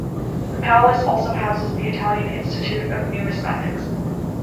The palace also houses the Italian Institute of Numismatics.